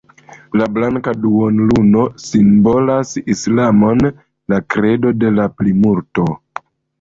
La blanka duonluno simbolas islamon, la kredo de la plimulto.